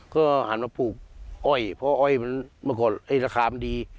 ก็หันมาปลูกอ้อยเพราะอ้อยมันเมื่อก่อนไอ้ราคามันดี